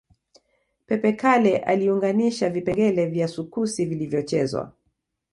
Pepe Kalle aliunganisha vipengele vya sukusi vilivyochezwa